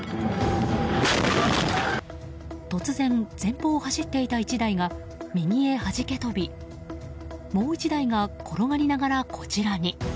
突然、前方を走っていた１台が右へはじけ飛びもう１台が転がりながらこちらに。